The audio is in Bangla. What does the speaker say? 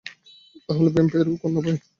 তাহলে ভ্যাম্পায়ারেরও কান্না পায়?